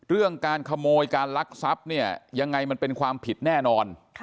เรื่องการขโมยการลักทรัพย์เนี่ยยังไงมันเป็นความผิดแน่นอน